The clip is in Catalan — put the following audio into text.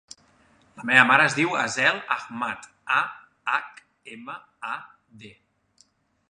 La meva mare es diu Aseel Ahmad: a, hac, ema, a, de.